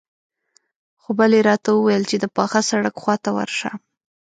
خو بلې راته وويل چې د پاخه سړک خواته ورشه.